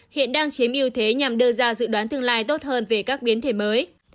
hiện đang chiếm ưu thế nhằm đưa ra dự đoán tương lai tốt hơn về các biến thể mới